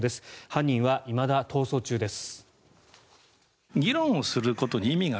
犯人はいまだ逃走中です。